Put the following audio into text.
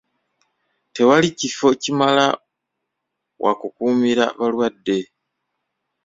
Tewali kifo kimala wakukuumira balwadde.